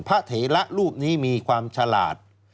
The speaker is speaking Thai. เถระรูปนี้มีความฉลาด